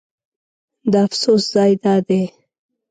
د افسوس ځای دا دی.